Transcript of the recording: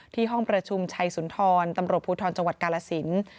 ห้องประชุมชัยสุนทรตำรวจภูทรจังหวัดกาลสิน